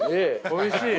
◆おいしい。